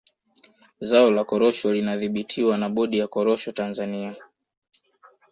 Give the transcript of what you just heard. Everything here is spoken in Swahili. Zao la korosho linadhibitiwa na bodi ya korosho Tanzania